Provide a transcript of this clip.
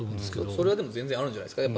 それはあるんじゃないですか。